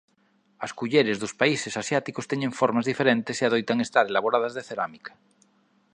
As culleres dos países asiáticos teñen formas diferentes e adoitan estar elaboradas de cerámica.